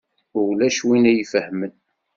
Ulac win i ifehhmen.